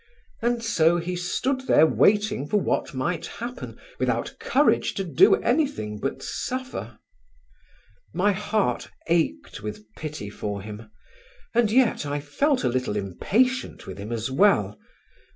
And so he stood there waiting for what might happen without courage to do anything but suffer. My heart ached with pity for him, and yet I felt a little impatient with him as well.